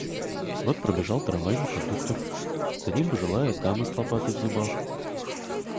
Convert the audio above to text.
Вот пробежал трамвайный кондуктор, за ним пожилая дама с лопатой в зубах.